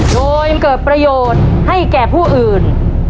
โดยเกิดประโยชน์ให้แก่ผู้อื่น